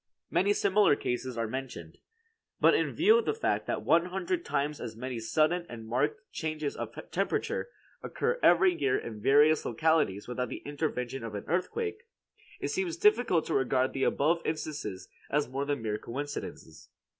Many similar cases are mentioned. But in view of the fact that one hundred times as many sudden and marked changes of temperature occur every year in various localities without the intervention of an earthquake, it seems difficult to regard the above instances as more than mere coincidences.